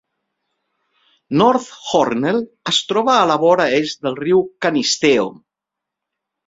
North Hornell es troba a la vora est del riu Canisteo.